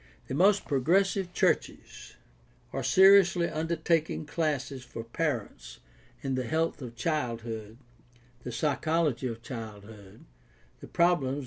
The most progressive churches are seriously undertaking classes for parents in the health of childhood, the psychology of childhood, the problems of reli gious and moral nurture.